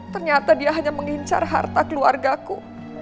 ternyata dia hanya mengincar harta keluarga ku